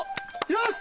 よし！